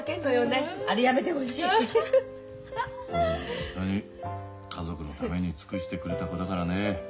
ホントに家族のために尽くしてくれた子だからね。